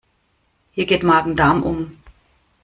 Hier geht Magen-Darm um.